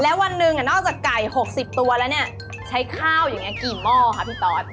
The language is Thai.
แล้ววันนึงนอกจากไก่๖๐ตัวถึงกี่ม่อคะพี่ตอน